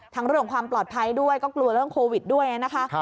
เรื่องความปลอดภัยด้วยก็กลัวเรื่องโควิดด้วยนะคะ